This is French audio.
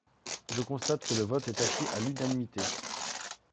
Je constate que le vote est acquis à l’unanimité.